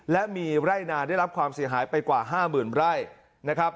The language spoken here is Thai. และมีไร่นาได้รับความเสียหายไปกว่า๕๐๐๐ไร่นะครับ